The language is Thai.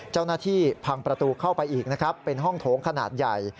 เจ้าหน้าที่พังประตูเข้าไปอีกนะครับเป็นห้องโถงขนาดใหญ่